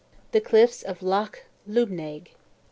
The Cliffs of Loch Lubnaig.